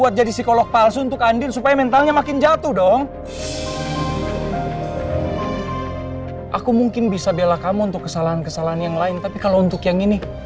tidak ada yang bisa diberi pengetahuan